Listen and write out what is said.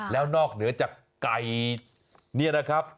แล้วนอกเหนือจากไก่นี่นะครับ